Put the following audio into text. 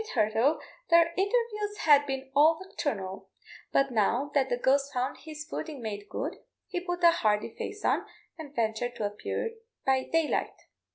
Hitherto their interviews had been all nocturnal, but now that the ghost found his footing made good, he put a hardy face on, and ventured to appear by daylight.